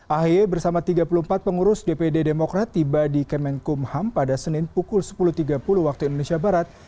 ahy bersama tiga puluh empat pengurus dpd demokrat tiba di kemenkumham pada senin pukul sepuluh tiga puluh waktu indonesia barat